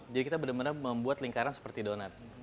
jadi kita benar benar membuat lingkaran seperti donut